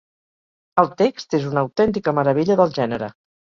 El text és una autèntica meravella del gènere.